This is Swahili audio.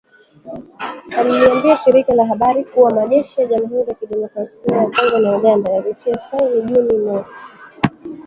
Aliliambia shirika la habari kuwa majeshi ya Jamhuri ya kidemokrasia ya kongo na Uganda yalitia saini Juni mosi.